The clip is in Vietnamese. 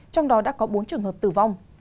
trong đó đã có bốn trường hợp tử vong